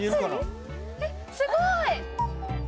えっすごい。